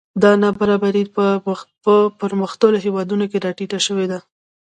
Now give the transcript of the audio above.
دا نابرابري په پرمختللو هېوادونو کې راټیټه شوې ده